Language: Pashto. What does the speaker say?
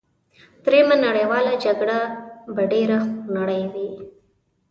دریمه نړیواله جګړه به ډېره خونړۍ وي